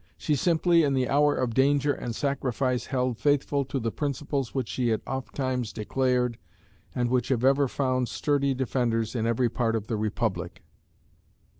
She simply in the hour of danger and sacrifice held faithful to the principles which she had ofttimes declared and which have ever found sturdy defenders in every part of the Republic.